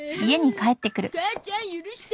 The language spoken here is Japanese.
母ちゃん許して！